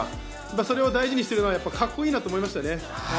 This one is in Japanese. それを大事にしているのはカッコいいなと思いましたね。